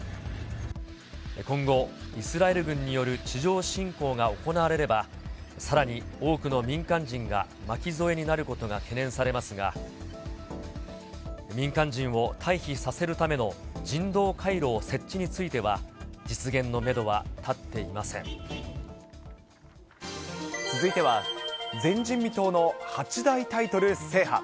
今後、イスラエル軍による地上侵攻が行われれば、さらに多くの民間人が巻き添えになることが懸念されますが、民間人を退避させるための人道回廊設置については、続いては、前人未到の八大タイトル制覇。